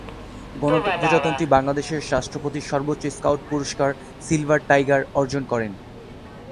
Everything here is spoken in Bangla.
গণপ্রজাতন্ত্রী বাংলাদেশের রাষ্ট্রপতির সর্বোচ্চ স্কাউট পুরস্কার 'সিলভার টাইগার' অর্জন করেন।